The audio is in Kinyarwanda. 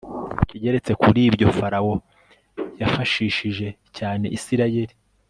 ikigeretse kuri ibyo, farawo yafashishije cyane isirayeli